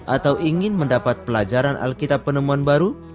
atau ingin mendapat pelajaran alkitab penemuan baru